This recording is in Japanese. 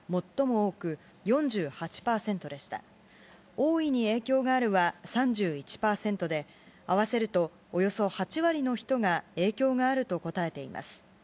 大いに影響があるは３１％で、合わせると、およそ８割の人が影響があると答えています。